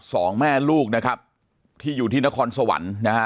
สองแม่ลูกที่อยู่ที่นครสวรรค์